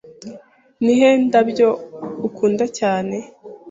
Nihe ndabyo ukunda cyane?